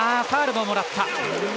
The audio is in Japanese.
ファウルをもらった。